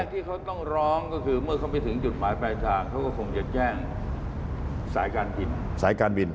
ต่อแรกที่เขาต้องร้องก็คือเมื่อเขาไปถึงจุดหมายไปทางเขาก็คงจะแจ้งสายการบิน